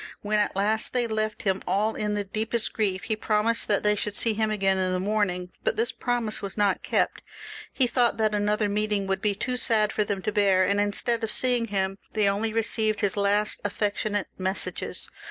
When at last they left him, all in the deepest grief, he promised that they should see him again in the morning ; but this promise was not kept. He thought that another meeting would be too sad for them tobeax, and instead of seeing him they only re ceived his last affectionate messages.